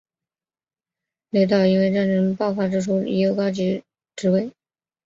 雷德尔因为在战争爆发之初已有高级职位。